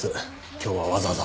今日はわざわざ。